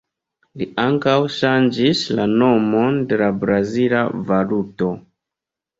Li ankaŭ ŝanĝis la nomon de la brazila valuto.